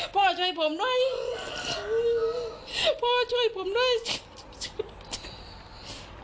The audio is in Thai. พ่อช่วยผมด้วยพ่อช่วยผมด้วย